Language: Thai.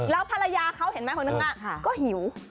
แล้วภรรยาเขาเห็นไหมคนนั้นก็หิว